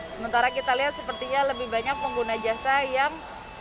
sementara kita lihat sepertinya lebih banyak pengguna jasa yang